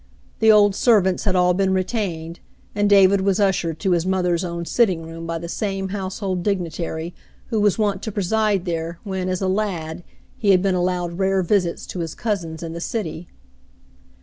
The old servants had all been retained, and David was ushered to his mother's own sitting room by the same household digni tary who was wont to preside there when, as a lad, he had been allowed rare visits to his cousins in the city.